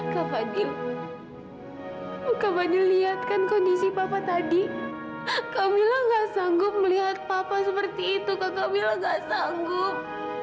kak fadil bukapandil lihat kan kondisi papa tadi kamila nggak sanggup melihat papa seperti itu kak kamila nggak sanggup